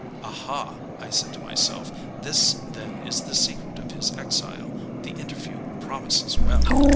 "Aha," I said to myself, "this then is the secret of his exile; the interview promises well!"